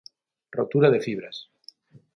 Rotura de fibras.